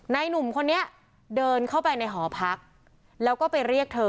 หนุ่มคนนี้เดินเข้าไปในหอพักแล้วก็ไปเรียกเธอ